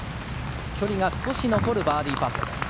距離が少し残るバーディーパットです。